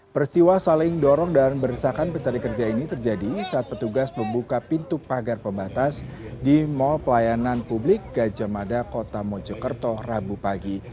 peristiwa saling dorong dan berdesakan pencari kerja ini terjadi saat petugas membuka pintu pagar pembatas di mall pelayanan publik gajah mada kota mojokerto rabu pagi